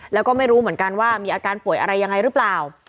แล้วก็ไม่รู้เหมือนกันว่ามีอาการป่วยอะไรยังไงหรือเปล่า